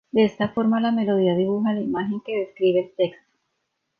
De esta forma la melodía dibuja la imagen que describe el texto.